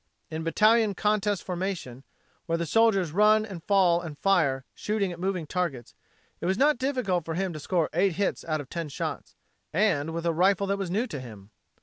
In battalion contest formation, where the soldiers run and fall and fire, "shooting at moving targets," it was not difficult for him to score eight hits out of ten shots, and, with a rifle that was new to him.